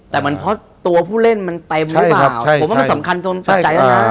แต่มันเพราะตัวผู้เล่นมันเต็มหรือเปล่าผมว่ามันสำคัญจนเปิดใจแล้วนะ